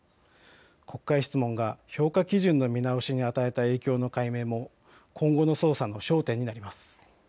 国会質問が評価基準の見直しに与えた影響の解明も今後の捜査の焦点になります。